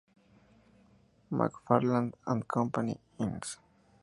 McFarland and Company, Inc.